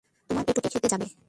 তোমার এঁটো কে খেতে যাবে?